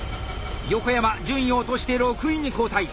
横山順位を落として６位に後退。